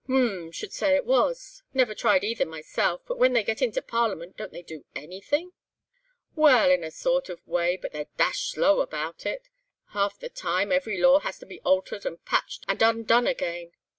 "H—m! should say it was. Never tried either myself; but when they get into Parliament don't they do anything?" "Well, in a sort of way, but they're dashed slow about it. Half the time, every law has to be altered and patched and undone again.